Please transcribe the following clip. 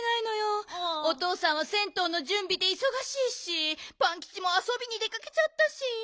おとうさんは銭湯のじゅんびでいそがしいしパンキチもあそびに出かけちゃったし。